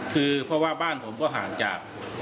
คือเพราะว่าบ้านผมก็ห่างจาก